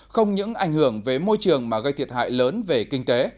không những ảnh hưởng về môi trường mà gây thiệt hại lớn về kinh tế